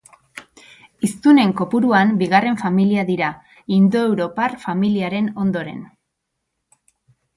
Hiztunen kopuruan bigarren familia dira, indoeuropar familiaren ondoren.